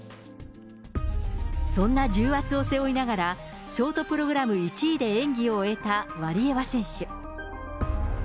そんな重圧を背負いながら、ショートプログラム１位で演技を終えたワリエワ選手。